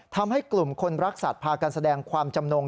ทำให้กลุ่มคนรักสัตว์พากันแสดงความจำนง